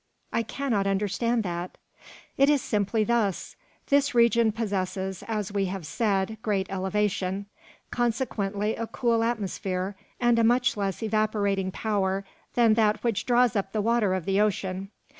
"I cannot understand that." "It is simply thus: this region possesses, as we have said, great elevation; consequently a cool atmosphere, and a much less evaporating power than that which draws up the water of the ocean.